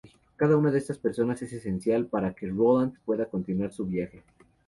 Cada una de estas personas es esencial para que Roland pueda continuar su viaje.